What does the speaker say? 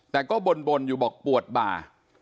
แต่ก็บนอยู่บอกปวดบ่า